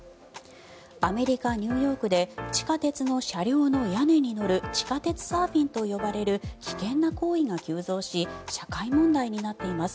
アメリカ・ニューヨークで地下鉄の車両の屋根に乗る地下鉄サーフィンと呼ばれる危険な行為が急増し社会問題になっています。